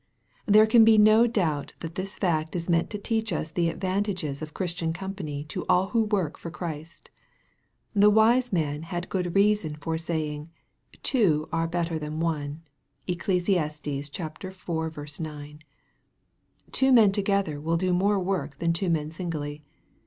There can be no doubt that this fact is meant to teach us the advantages of Christian company to all who work for Christ. The wise man had good reason for saying, " Two are better than one." (Eccles. iv. 9.) Two men together will do more work than two men singly.